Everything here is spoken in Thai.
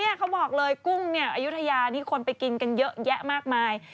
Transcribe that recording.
เขาบอกเลยกุ้งเนี่ยอายุทยานี่คนไปกินกันเยอะแยะมากมาย